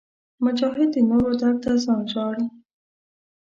مجاهد د نورو درد ته ځان ژاړي.